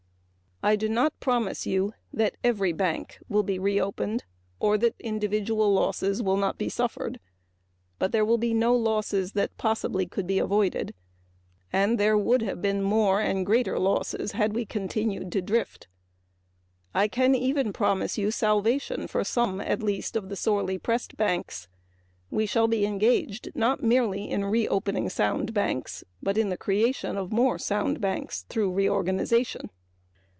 I do not promise you that every bank will be reopened or that individual losses will not be suffered, but there will be no losses that possibly could be avoided; and there would have been more and greater losses had we continued to drift. I can even promise you salvation for some at least of the sorely pressed banks. We shall be engaged not merely in reopening sound banks but in the creation of sound banks through reorganization.